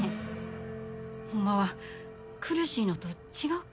ホンマは苦しいのと違うか？